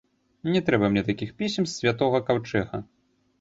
Не трэба мне такіх пісем з святога каўчэга!